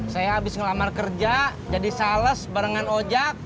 saya habis ngelamar kerja jadi sales barengan ojek